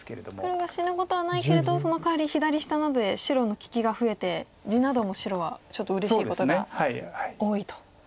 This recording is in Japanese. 黒が死ぬことはないけれどそのかわり左下などで白の利きが増えて地なども白はちょっとうれしいことが多いと。